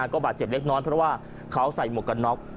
ก็บาดเจ็บเล็กน้อยเพราะว่าเขาใส่หมวกกันน็อก